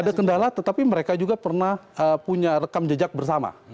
ada kendala tetapi mereka juga pernah punya rekam jejak bersama